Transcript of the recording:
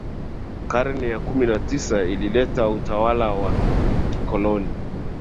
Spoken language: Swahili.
Karne ya kumi na tisa ilileta utawala wa kikoloni